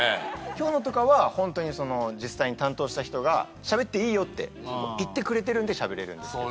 今日のとかはホントに実際に担当した人がしゃべっていいよって言ってくれてるんでしゃべれるんですけど。